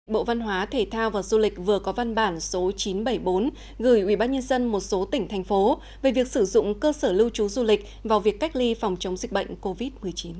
bộ văn hóa thể thao và du lịch vừa có văn bản số chín trăm bảy mươi bốn gửi ubnd một số tỉnh thành phố về việc sử dụng cơ sở lưu trú du lịch vào việc cách ly phòng chống dịch bệnh covid một mươi chín